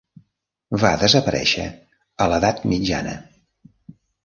Va desaparèixer a l'edat mitjana.